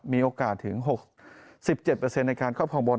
มีโอกาสถึง๖๗ในการครอบครองบอล